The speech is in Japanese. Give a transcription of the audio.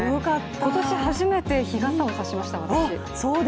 今年初めて日傘を差しました、私。